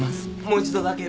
もう一度だけ。